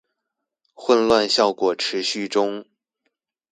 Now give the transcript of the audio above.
混亂效果持續中